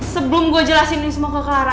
sebelum gue jelasin ini semua ke clara